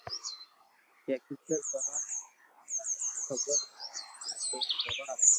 ڪي ڪيڪر ڪروُ کپر”ي ني تو ھيوا